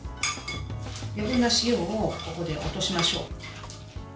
余分な塩をここで落としましょう。